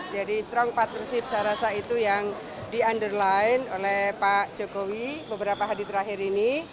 jadi strong partnership saya rasa itu yang di underline oleh pak jokowi beberapa hari terakhir ini